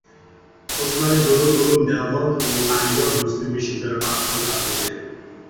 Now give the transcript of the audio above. উসমানি দারুল উলূম দেওবন্দ এবং আলিগড় মুসলিম বিশ্ববিদ্যালয়ের প্রাক্তন ছাত্র ছিলেন।